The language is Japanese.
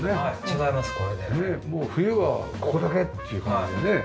もう冬はここだけっていう感じでね。